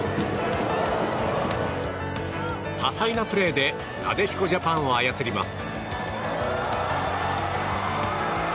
多彩なプレーでなでしこジャパンを操ります。